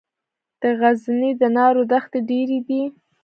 د غزني د ناور دښتې ډیرې دي